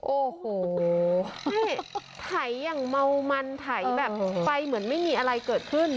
โอ้โหนี่ไถอย่างเมามันไถแบบไฟเหมือนไม่มีอะไรเกิดขึ้น